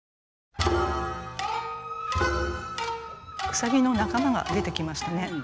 兎の仲間が出てきましたね。